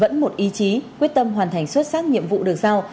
vẫn một ý chí quyết tâm hoàn thành xuất sắc nhiệm vụ được giao